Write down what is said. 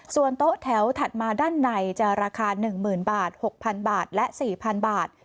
ส่วนโต๊ะแถวถัดมาด้านในจะราคา๑๐๐๐บาท๖๐๐๐บาทและ๔๐๐บาท